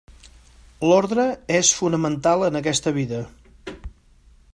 L'ordre és fonamental en aquesta vida.